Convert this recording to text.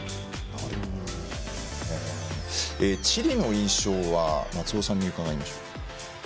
チリの印象は松尾さんに伺いましょう。